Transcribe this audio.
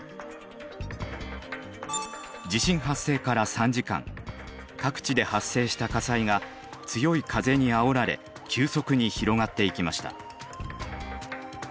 地震発生から３時間各地で発生した火災が強い風にあおられ急速に広がっていきました。